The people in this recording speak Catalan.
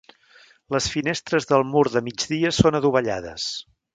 Les finestres del mur de migdia són adovellades.